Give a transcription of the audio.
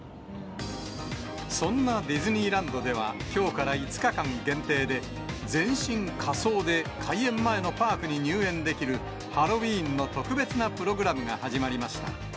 そんなディズニーランドでは、きょうから５日間限定で、全身仮装で開園前のパークに入園できる、ハロウィーンの特別なプログラムが始まりました。